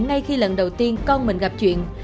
ngay khi lần đầu tiên con mình gặp chuyện